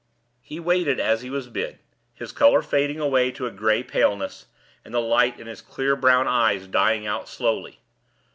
He waited as he was bid, his color fading away to a gray paleness and the light in his clear brown eyes dying out slowly.